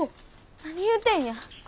何言うてんや。